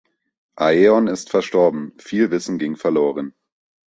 Aeon ist verstorben, viel Wissen ging verloren.